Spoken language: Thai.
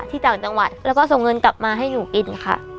ต่างจังหวัดแล้วก็ส่งเงินกลับมาให้หนูกินค่ะ